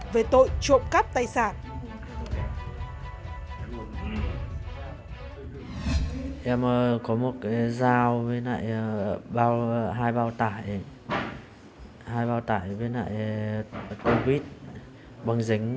về tội trộm cắp tài sản